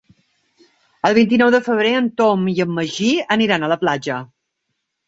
El vint-i-nou de febrer en Tom i en Magí aniran a la platja.